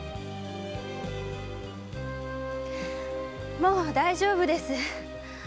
もう大丈夫です。